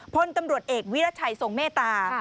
พลตำรวจเอกวิรัชัยทรงเมตตา